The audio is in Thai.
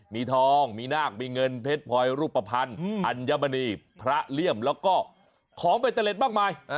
มีทองมีนากมีเงินเผ็ดพลอยรูปพันธ์อัญบณีพระเลี่ยมแล้วก็ของเป็นเตล็ดบางมาย